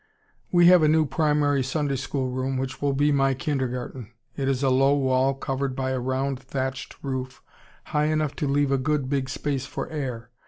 We have a new primary Sunday School room which will be my kindergarten. It is a low wall covered by a round thatched roof high enough to leave a good big space for air.